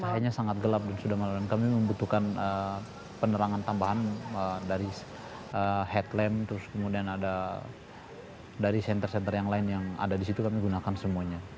airnya sangat gelap dan sudah malam kami membutuhkan penerangan tambahan dari headline terus kemudian ada dari senter center yang lain yang ada di situ kami gunakan semuanya